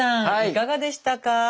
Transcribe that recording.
いかがでしたか？